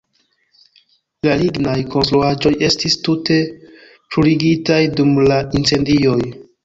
La lignaj konstruaĵoj estis tute bruligitaj dum la incendioj.